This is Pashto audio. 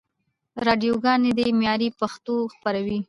راډیوګاني دي معیاري پښتو خپروي.